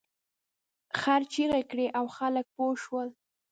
خر چیغې کړې او خلک پوه شول.